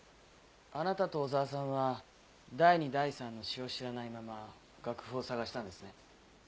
あなたと小沢さんは第二第三の詩を知らないまま楽譜を捜したんですね？